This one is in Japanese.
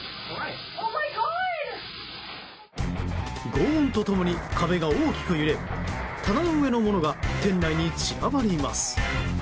轟音と共に壁が大きく揺れ棚の上のものが店内に散らばります。